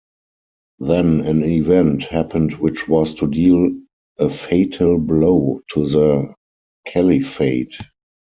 Then an event happened which was to deal a fatal blow to the Caliphate.